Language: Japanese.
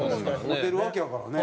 持てるわけやからね。